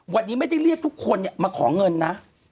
วันนี้ไม่ได้เรียกทุกคนมาขอเงินนะ